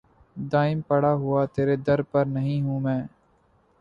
دائم پڑا ہوا تیرے در پر نہیں ہوں میں